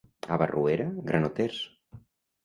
A Barruera, granoters.